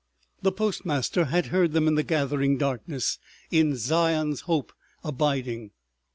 The postmaster had heard them in the gathering darkness, "In Zion's Hope abiding."